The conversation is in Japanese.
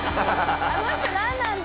あの人なんなんだ？